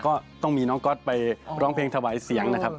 ก็ต้องมีน้องก๊อตไปร้องเพลงถวายเสียงนะครับ